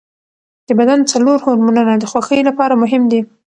د بدن څلور هورمونونه د خوښۍ لپاره مهم دي.